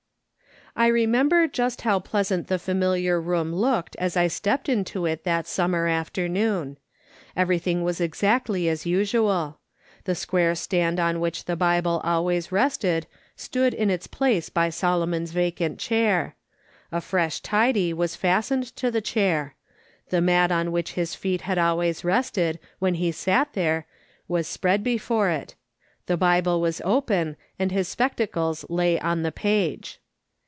I remember just how pleasant the familiar room looked as I stepped into it that summer afternoon. Everything was exactly as usual The square stand on which the Bible always rested stood in its place by Solomon's vacant chair ; a fresh tidy was fastened to the chair ; the mat on which his feet had always rested when he sat there was spread before it ; the Bible was open, and his spectacles lay on the page.